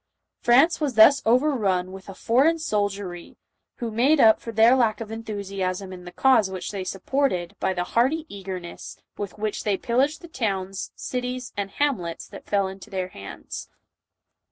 France was thus overrun with a foreign soldiery who made up for their lack of enthusiasm in the cause which they supported, by the hearty eager ness with which they pillaged the towns, cities and hamlets, that fell into their hands.